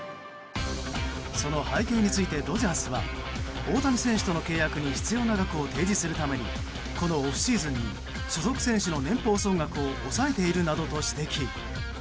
その背景について、ドジャースは大谷選手との契約に必要な額を提示するためにこのオフシーズンに所属選手の年俸総額を抑えているなどと指摘。